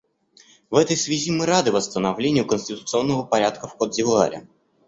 В этой связи мы рады восстановлению конституционного порядка в Котд'Ивуаре.